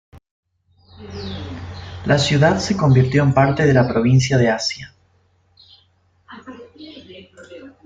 La ciudad se convirtió en parte de la provincia de Asia.